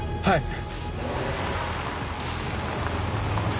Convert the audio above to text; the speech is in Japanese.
はい。